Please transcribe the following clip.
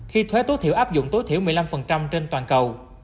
khi thuế tối thiểu áp dụng tối thiểu một mươi năm trên toàn cầu